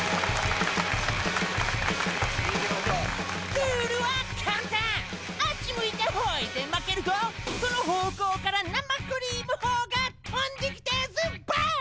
ルールは簡単あっち向いてホイで負けるとその方向から生クリーム砲が飛んできてずばん。